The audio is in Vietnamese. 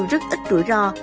rất ít rủi ro